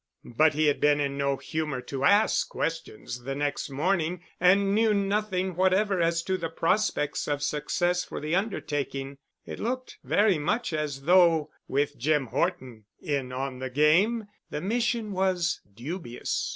But he had been in no humor to ask questions the next morning, and knew nothing whatever as to the prospects of success for the undertaking. It looked very much as though with Jim Horton in on the game, the mission was dubious.